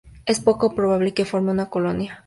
Es poco probable que forme una colonia.